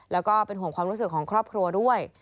แล้วก็เป็นห่วงความรู้สึกของครอบครัวด้วย